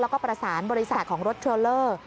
แล้วก็ประสานบริษัทของรถเทรลเลอร์